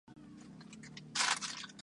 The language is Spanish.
Forma parte de la subregión Norte.